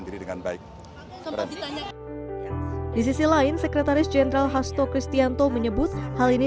sendiri dengan baik di sisi lain sekretaris jenderal hasto kristianto menyebut hal ini